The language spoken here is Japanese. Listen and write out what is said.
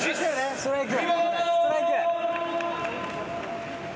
ストライク！